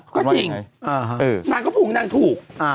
ก็จริงนางก็ผงนางถูก